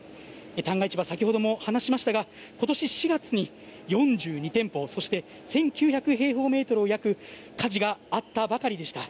旦過市場、先ほども話しましたが今年４月に４２店舗１９００平方メートルを焼く火事があったばかりでした。